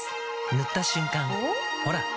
塗った瞬間おっ？